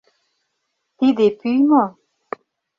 Тиде пӱй мо?